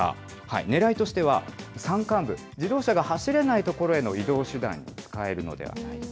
ねらいとしては、山間部、自動車が走れない所への移動手段に使えるのではないか。